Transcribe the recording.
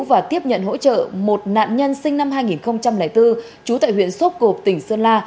và tiếp nhận hỗ trợ một nạn nhân sinh năm hai nghìn bốn trú tại huyện sốp cộp tỉnh sơn la